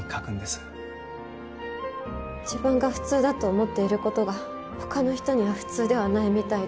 自分が普通だと思っている事が他の人には普通ではないみたいで。